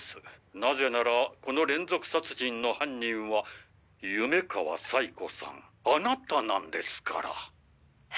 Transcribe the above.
なぜならこの連続殺人の犯人は夢川彩子さんあなたなんですから！